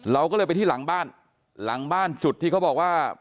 เราก็เลยไปที่หลังบ้านหลังบ้านจุดที่เขาบอกว่า